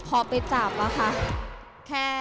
พอไปจับอะค่ะ